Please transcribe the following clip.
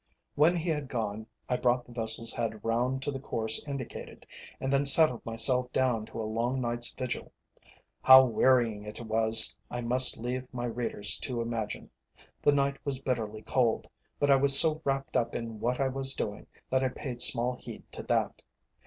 When he had gone I brought the vessel's head round to the course indicated, and then settled myself down to a long night's vigil. How wearying it was I must leave my readers to imagine. The night was bitterly cold, but I was so wrapt up in what I was doing, that I paid small heed to that.